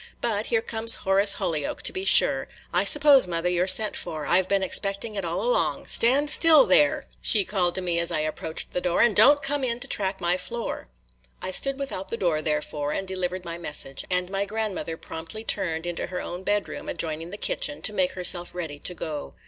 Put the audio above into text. But there comes Horace Holyoke, to be sure. I suppose, mother, you 're sent for; I 've been expecting it all along. – Stand still there!" she called to me as I approached the door, "and don't come in to track my floor." I stood without the door, therefore, and delivered my message; and my grandmother promptly turned into her own bedroom, adjoining the kitchen, to make herself ready to go.